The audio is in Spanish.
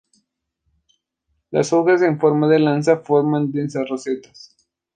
Las hojas en forma de lanza forman densas rosetas.